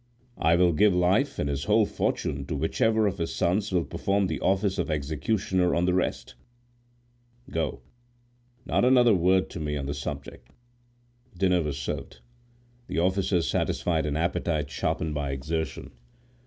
I will give life and his whole fortune to whichever of his sons will perform the office of executioner on the rest. Go; not another word to me on the subject." Dinner was served. The officers satisfied an appetite sharpened by exertion.